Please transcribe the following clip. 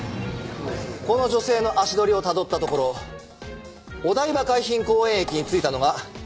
この女性の足取りをたどったところお台場海浜公園駅に着いたのが夕方５時。